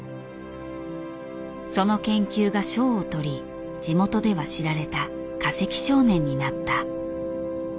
その研究が賞を取り地元では知られた化石少年になった。